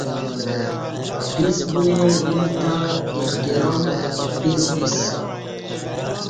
پیس بولیں گول تاں احترام پیس بیسہ